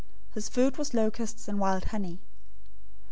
His food was locusts and wild honey.